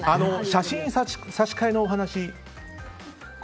写真差し替えのお話。